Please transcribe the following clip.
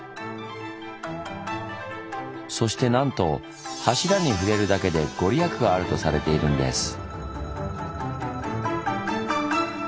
そしてなんと柱に触れるだけでご利益があるとされているんです。